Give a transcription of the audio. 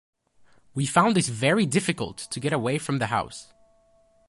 We found it very difficult to get away from the house.